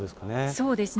そうですね。